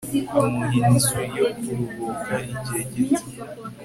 Amuha inzu yo kuruhuka igihe gito